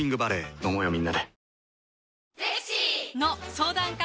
飲もうよみんなで。